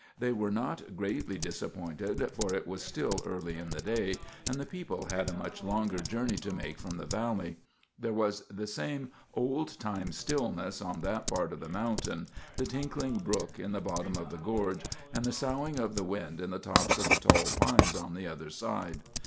They were not greatly disappointed, for it was still early in the day, and the people had a much longer journey to make from the valley. There was the same old time stillness on that part of the mountain: the tinkling brook in the bottom of the gorge, and the soughing of the wind in the tops of the tall pines on the other side.